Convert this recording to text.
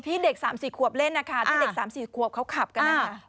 ที่เด็กสามสี่ขวบเล่นนะคะที่เด็กสามสี่ขวบเขาขับกันนะคะ